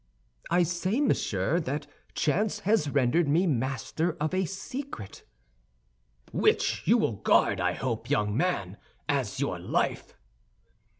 "I say, monsieur, that chance has rendered me master of a secret—" "Which you will guard, I hope, young man, as your life."